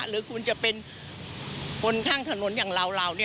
หรือคุณจะเป็นคนข้างถนนอย่างเรา